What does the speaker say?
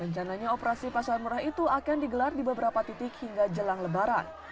rencananya operasi pasar murah itu akan digelar di beberapa titik hingga jelang lebaran